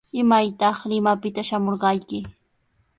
¿Imaytaq Limapita shamurqayki?